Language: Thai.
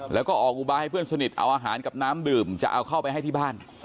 แล้วก็ออกอุบายให้เพื่อนสนิทเอาอาหารกับน้ำดื่มจะเอาเข้าไปให้ที่บ้าน